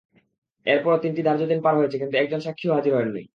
এরপরও তিনটি ধার্য দিন পার হয়েছে, কিন্তু একজন সাক্ষীও হাজির হননি।